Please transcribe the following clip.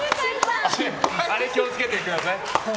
あれ気を付けてください。